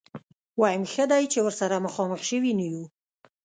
ويم ښه دی چې ورسره مخامخ شوي نه يو.